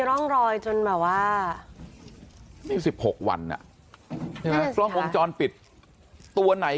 ร่องรอยจนแบบว่านี่๑๖วันอ่ะใช่ไหมกล้องวงจรปิดตัวไหน